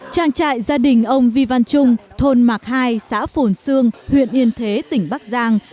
trang trại gia đình ông vi văn trung thôn mạc hai xã phồn xương huyện yên thế tỉnh bắc giang